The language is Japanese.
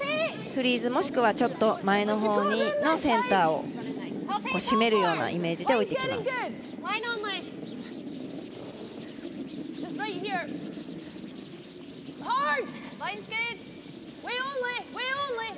フリーズ、もしくはちょっと前のほうのセンターを占めるようなイメージで置いてきます。